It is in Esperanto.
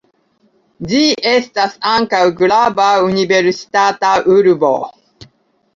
Ĝi estas ankaŭ grava universitata urbo.